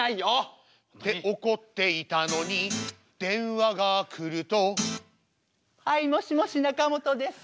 って怒っていたのに電話がくるとはいもしもしなかもとです。